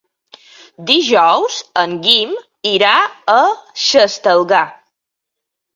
Dijous en Guim irà a Xestalgar.